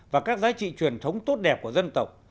và các giá trị truyền thống tốt đẹp của dân tộc